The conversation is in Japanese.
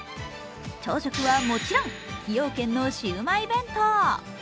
朝食はもちろん崎陽軒のシウマイ弁当。